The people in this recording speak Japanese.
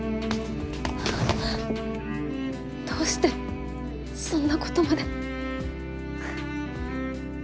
どうしてそんなことまで。